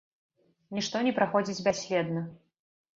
Нішто не праходзіць бясследна.